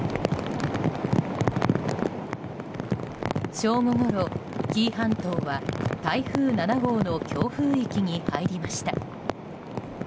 正午ごろ、紀伊半島は台風７号の強風域に入りました。